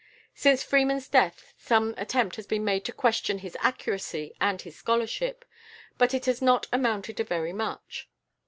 Since Freeman's death some attempt has been made to question his accuracy and his scholarship; but it has not amounted to very much.